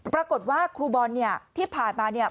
ปรากฏว่าครูบอลเนี่ยที่ผ่านมาเนี่ย